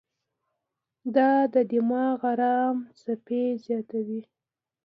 دا د دماغ ارام څپې زیاتوي.